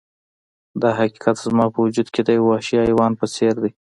دا حقیقت زما په وجود کې د یو وحشي حیوان په څیر دی